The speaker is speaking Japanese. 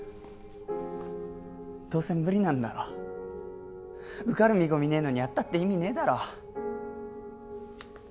どうせ無理なんだろ受かる見込みねえのにやったって意味ないだろ